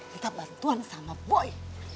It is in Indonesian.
minta bantuan sama boy